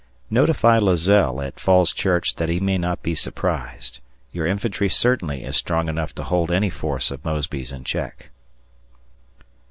Notify Lazelle at Fall's Church that he may not be surprised. Your infantry certainly is strong enough to hold any force of Mosby's in check.